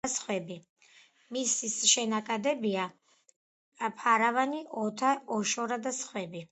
მისის შენაკადებია: ფარავანი, ოთა, ოშორა და სხვები.